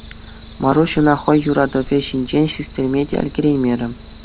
Маруҫ ӑна хӑй юратӑвӗ ҫинчен систерме те ӗлкӗреймерӗ.